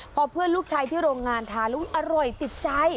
พอเพื่อนลูกชายที่โรงงานทานแล้วอร่อยติดใจ